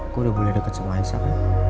aku udah boleh deket sama aisyah